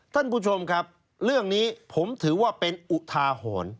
ท่านผู้ชมครับเรื่องนี้ผมถือว่าเป็นอุทาหรณ์